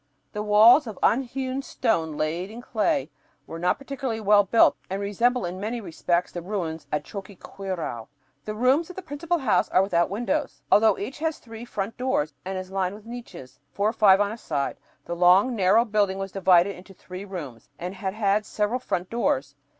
The walls, of unhewn stone laid in clay, were not particularly well built and resemble in many respects the ruins at Choqquequirau. The rooms of the principal house are without windows, although each has three front doors and is lined with niches, four or five on a side. The long, narrow building was divided into three rooms, and had several front doors.